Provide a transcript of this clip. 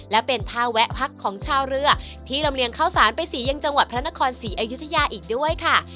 และเป็นท่าแวะพักของชาวเรือที่ลำเลียงข้าวสารไปสียังจังหวัดพระนครศรีอยุธยาอีกด้วยค่ะ